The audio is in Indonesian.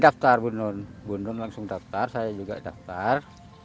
daftar bu nun bu nun langsung daftar saya juga daftar